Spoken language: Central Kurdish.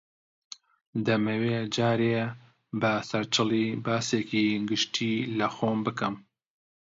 دەمەوێ جارێ بە سەرچڵی باسێکی گشتی لە خۆم بکەم